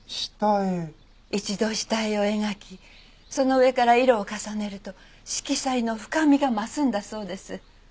一度下絵を描きその上から色を重ねると色彩の深みが増すんだそうです。